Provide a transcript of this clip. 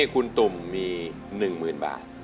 คุณตุ๋มมี๑หมื่นบาท